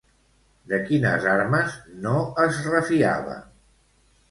De quines armes no es refiava?